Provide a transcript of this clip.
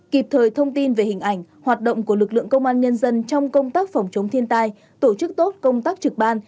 kịp thời thông tin về hình ảnh hoạt động của lực lượng công an nhân dân trong công tác phòng chống thiên tai tổ chức tốt công tác trực ban